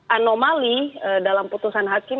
anomali dalam putusan hakim